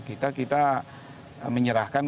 kita kita menyerahkan